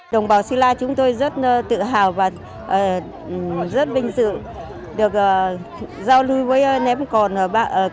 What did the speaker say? đồng bào sĩ lai chúng tôi rất tự hào và rất vinh dự được giao lưu với ném còn ba nước